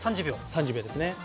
３０秒ですね。